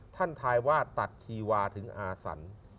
ทายว่าตัดชีวาถึงอาสัน